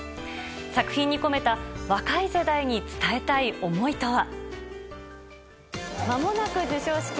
作品に込めた若い世代に伝えたい思いとは。